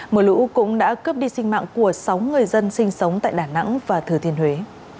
mưa lũ cũng đã cướp đi sinh mạng của sáu người dân sinh sống tại đà nẵng và thừa thiên huế